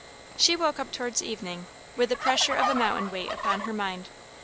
She woke up towards evening, with the pressure of a mountain weight upon her mind.